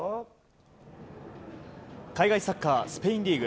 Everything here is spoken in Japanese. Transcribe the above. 海外サッカー、スペインリーグ。